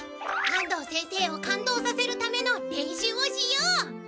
安藤先生を感動させるための練習をしよう！